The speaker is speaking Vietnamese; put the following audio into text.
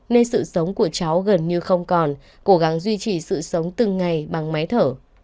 nên sự sống của cháu gần như không còn cố gắng duy trì sự sống từng ngày bằng máy thở